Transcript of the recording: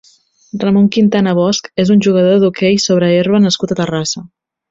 Ramón Quintana Bosch és un jugador d'hoquei sobre herba nascut a Terrassa.